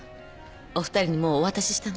お二人にもうお渡ししたの？